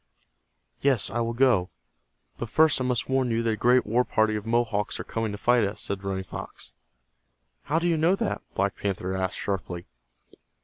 "Yes, I will go, but first I must warn you that a great war party of Mohawks are coming to fight us," said Running Fox. "How do you know that?" Black Panther asked, sharply.